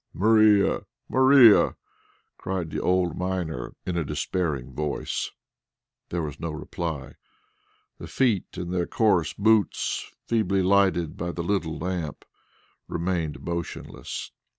"Maria! Maria!" cried the old miner in a despairing voice. There was no reply. The feet in their coarse boots, feebly lighted by the little lamp, remained motionless.